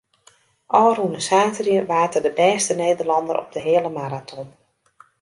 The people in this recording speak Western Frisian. Ofrûne saterdei waard er de bêste Nederlanner op de heale maraton.